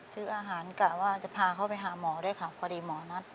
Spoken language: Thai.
ซื้ออาหารกะว่าจะพาเขาไปหาหมอด้วยค่ะพอดีหมอนัด